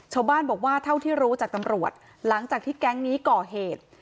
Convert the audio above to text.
ชาวบ้านบอกว่าเท่าที่รู้จากตำรวจหลังจากที่แก๊งนี้ก่อเหตุ